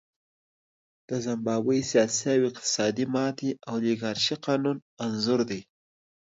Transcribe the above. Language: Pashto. د زیمبابوې سیاسي او اقتصادي ماتې د اولیګارشۍ قانون انځور دی.